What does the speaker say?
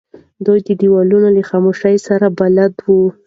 دی د دیوالونو له خاموشۍ سره بلد و.